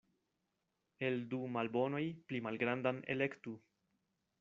El du malbonoj pli malgrandan elektu.